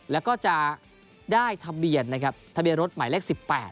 แล้วก็จะได้ทะเบียนนะครับทะเบียนรถหมายเลข๑๘